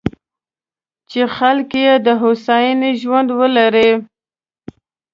چې خلک یې د هوساینې ژوند ولري.